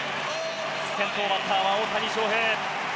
先頭バッターは大谷翔平。